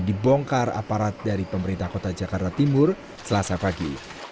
dibongkar aparat dari pemerintah kota jakarta timur selasa pagi